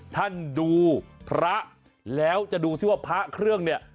ท่านดูพระแล้วจะดูซิว่าพระเครื่องเนี่ย